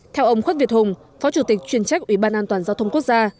theo ông khuất việt hùng phó chủ tịch chuyên trách ủy ban an toàn giao thông quốc gia